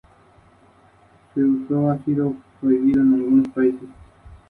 Kent viajó como pasajero de primera clase.